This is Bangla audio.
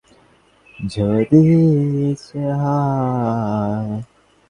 স্নান করা লাগবে।